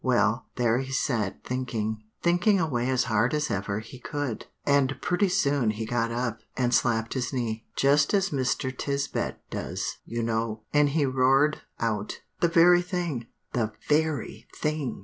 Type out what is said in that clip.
"Well, there he sat thinking thinking away as hard as ever he could. And pretty soon he got up and slapped his knee, just as Mr. Tisbett does, you know; and he roared out, 'The very thing the very thing!